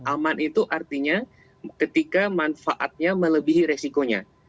aman itu artinya ketika manfaatnya melebihi resikonya